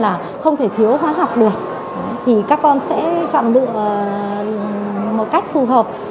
nếu không thể thiếu khoa học được thì các con sẽ chọn lựa một cách phù hợp